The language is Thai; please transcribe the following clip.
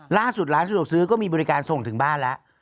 ล่าสุดร้านสะดวกซื้อก็มีบริการส่งถึงบ้านแล้ว